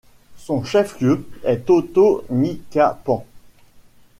Son chef-lieu est Totonicapán.